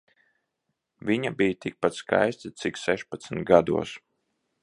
Viņa bija tikpat skaista cik sešpadsmit gados.